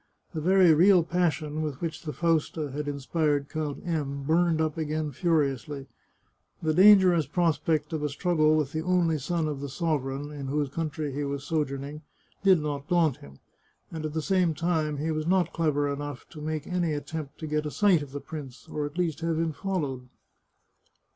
The very real passion with which the Fausta had inspired Count M burned up again furiously. The dan gerous prospect of a struggle with the only son of the sover eign in whose country he was sojourning did not daunt him, and at the same time he was not clever enough to make any attempt to get a sight of the prince, or at least have him fol lowed.